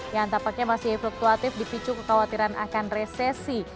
yang tampaknya masih fluktuatif dipicu kekhawatiran akan resesi